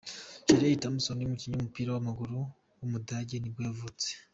Shelley Thompson, umukinnyi w’umupira w’amaguru w’umudage nibwo yavutse.